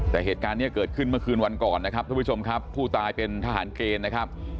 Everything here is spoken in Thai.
แต่เหตุการณ์นี้เกิดขึ้นเมื่อคืนวันก่อนนะครับท่านผู้ชมครับผู้ตายเป็นทหารเกณฑ์นะครับ